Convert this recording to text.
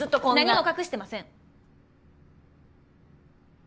何も隠してません。